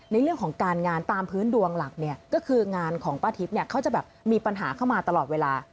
ในเรื่องของการงานตามพื้นดวงหลักเนี่ยก็คืองานของป้าทิพย์เขาจะแบบมีปัญหาเข้ามาตลอดเวลา